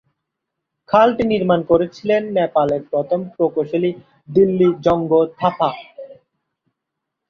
খালটি নির্মাণ করেছিলেন নেপালের প্রথম প্রকৌশলী দিল্লি জঙ্গ থাপা।